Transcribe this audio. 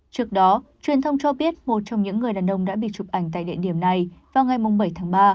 trước đó truyền thông cho biết một trong những người đàn ông đã bị chụp ảnh tại địa điểm này vào ngày bảy tháng ba